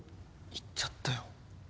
言っちゃったよ。